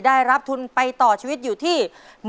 ได้รับทุนไปต่อชีวิตอยู่ที่